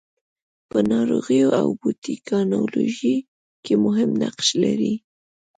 په ناروغیو او بیوټیکنالوژي کې مهم نقش لري.